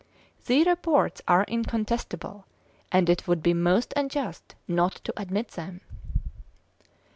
The reports are incontestable, and it would be most unjust not to admit them."